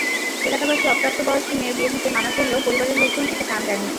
এলাকাবাসী অপ্রাপ্তবয়স্ক মেয়ের বিয়ে দিতে মানা করলেও পরিবারের লোকজন এতে কান দেননি।